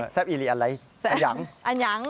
แซ่บอีหลีอะไรอัญัง